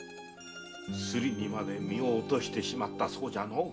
スリにまで身を堕としてしまったそうじゃのう。